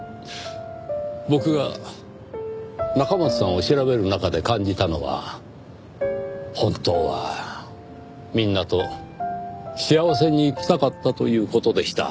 僕が中松さんを調べる中で感じたのは本当はみんなと幸せに生きたかったという事でした。